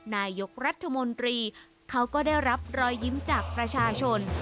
นายกรัฐมนตรีเขาก็ได้รับรอยยิ้มจากประชาชน